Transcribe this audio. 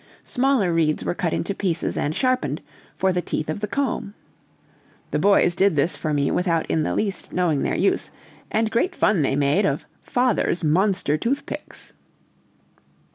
Smaller reeds were cut into pieces and sharpened, for the teeth of the comb. The boys did this for me without in the least knowing their use, and great fun they made of "father's monster toothpicks."